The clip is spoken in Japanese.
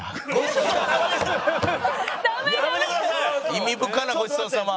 意味深な「ごちそうさま」。